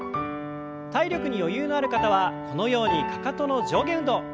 体力に余裕のある方はこのようにかかとの上下運動